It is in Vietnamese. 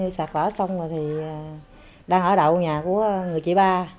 sạt lở xong rồi thì đang ở đậu nhà của người chị ba